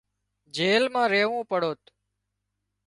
جيل مان ريوون پڙوت